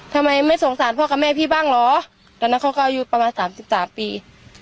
ทำไมไม่สงสารพ่อกับแม่พี่บ้างเหรอตอนนั้นเขาก็อายุประมาณสามสิบสามปี